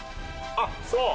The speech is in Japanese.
あっそう。